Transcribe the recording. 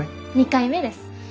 ２回目です。